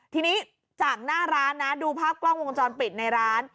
ทีนี้จากหน้าร้านนะดูภาพกล้องวงจรปิดในร้าน